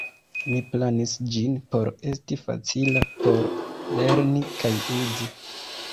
Mi planis ĝin por esti facila por lerni kaj uzi.